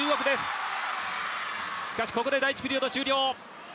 しかしここで第１ピリオド終了。